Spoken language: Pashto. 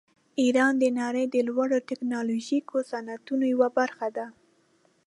ایران د نړۍ د لوړو ټیکنالوژیکو صنعتونو یوه برخه ده.